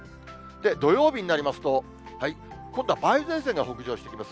土曜日になりますと、今度は梅雨前線が北上してきます。